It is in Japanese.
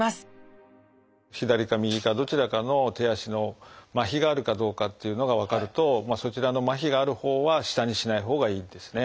左か右かどちらかの手足のまひがあるかどうかっていうのが分かるとそちらのまひがあるほうは下にしないほうがいいんですね。